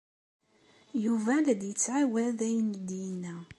Yuba la d-yettɛawad ayen ay d-yenna.